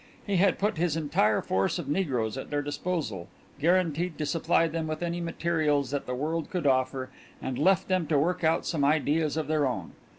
He had put his entire force of negroes at their disposal, guaranteed to supply them with any materials that the world could offer, and left them to work out some ideas of their own.